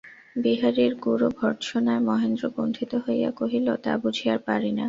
বিহারীর গূঢ় ভর্ৎসনায় মহেন্দ্র কুণ্ঠিত হইয়া কহিল, তা বুঝি আর পারি না।